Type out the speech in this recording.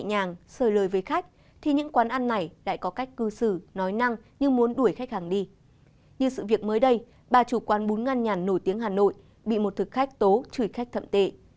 như sự việc mới đây bà chủ quán bún ngăn nhàn nổi tiếng hà nội bị một thực khách tố chửi khách thậm tệ